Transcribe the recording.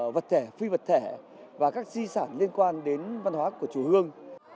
vật thể phi vật thể và các di sản liên quan đến văn hóa của chùa hương